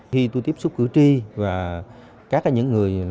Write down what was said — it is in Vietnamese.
khi tôi tiếp xúc cử tri và các những người